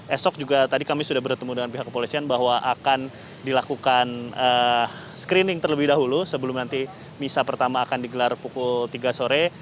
esok juga tadi kami sudah bertemu dengan pihak kepolisian bahwa akan dilakukan screening terlebih dahulu sebelum nanti misa pertama akan digelar pukul tiga sore